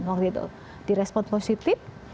waktu itu di respon positif